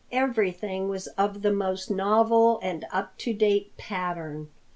Everything was of the most novel and up to date pattern.